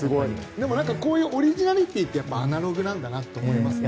でもこういうオリジナリティーってアナログなんだなと思いますね。